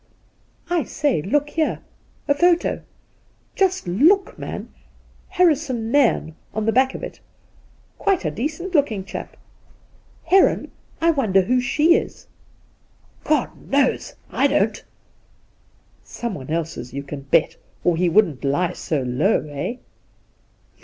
' I say, look here — a photo ! Just look, man !" Harrison Nairn " on the back of it ! Quite a decent looking chap. Heron, I wonder who she is?' ' God knows ! I don't !'' Someone else's, you can bet, or he wouldn't lie so low, eh